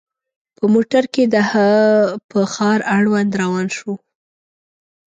په موټر کې د هه چه ښار اړوند روان شوو.